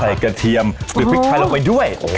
กระเทียมหรือพริกไทยลงไปด้วย